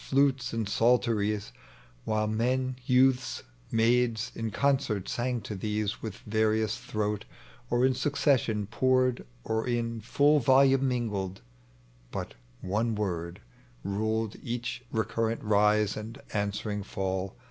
Antes and psalteries, While men, youths, maids, in concert sang to these With various throat, or in succession poured. Or in ftiU volume mingled. But one word Ruled each recurrent rise and answering fall.